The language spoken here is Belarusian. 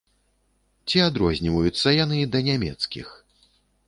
Ці адрозніваюцца яны да нямецкіх?